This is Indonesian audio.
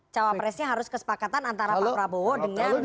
cowok presiden harus kesepakatan antara pak prabowo dengan